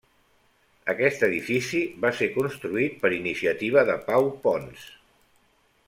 Aquest edifici va ser construït per iniciativa de Pau Pons.